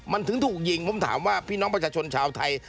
มันถึงถูกยิงผมถามว่าพี่น้องประชาชนชาวไทย